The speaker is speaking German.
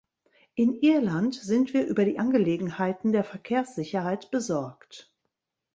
In Irland sind wir über die Angelegenheiten der Verkehrssicherheit besorgt.